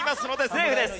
セーフです。